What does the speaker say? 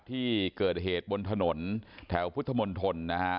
ที่เกิดเหตุบนถนนแถวพุทธมณฑลนะฮะ